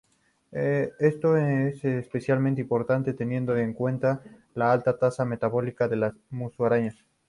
Esto es especialmente importante teniendo en cuenta la alta tasa metabólica de las musarañas.